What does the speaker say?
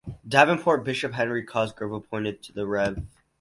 Davenport Bishop Henry Cosgrove appointed the Rev.